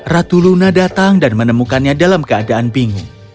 ratu luna datang dan menemukannya dalam keadaan bingung